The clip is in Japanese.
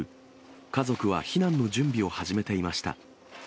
家族は避難の準備を始めていました。